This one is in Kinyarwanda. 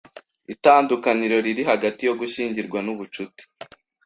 itandukaniro riri hagati yo gushyingirwa n'ubucuti